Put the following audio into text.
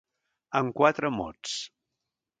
En quatre mots.